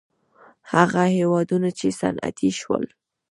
هغه هېوادونه چې صنعتي شول.